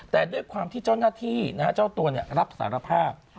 แต่ด้วยความที่เจ้าหน้าที่เจ้าตัวรับสารภาพ